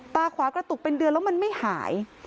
ตาขวากระตุกเป็นเดือนแล้วมันไม่หาย